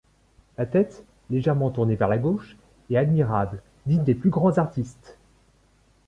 La tête, légèrement tournée vers la gauche, est admirable, digne des plus grands artistes.